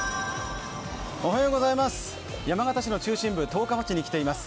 山形市の中心部、十日町に来ています。